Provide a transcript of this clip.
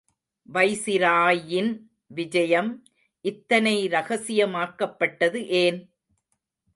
வைசிராயின் விஜயம் இத்தனை ரகசியமாக்கப்பட்டது ஏன்?